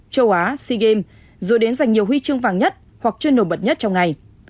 châu á sea games rồi đến giành nhiều huy chương vàng nhất hoặc chưa nổi bật nhất trong ngày